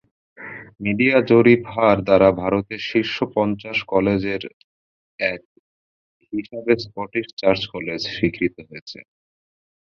Media জরিপ হার দ্বারা ভারতের শীর্ষ পঞ্চাশ কলেজ এর এক হিসাবে স্কটিশ চার্চ কলেজ স্বীকৃত হয়েছে।